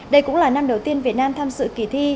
đây cũng là năm đầu tiên việt nam tham dự kỳ thi